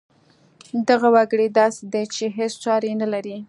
دغه وګړی داسې دی چې هېڅ ساری نه لري